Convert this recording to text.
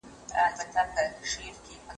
ترغوږچي یې سوې ستا د رنګ کیسې چي ته راتلې